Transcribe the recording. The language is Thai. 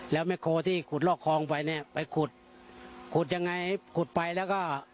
แล้วแม่โคที่ขุดลอกคลองไปเนี่ยไปขุดขุดยังไงขุดไปแล้วก็